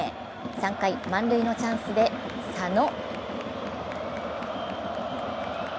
３回、満塁のチャンスで佐野。